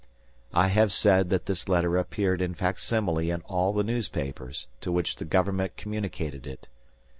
I have said that this letter appeared in facsimile in all the newspapers to which the government communicated it.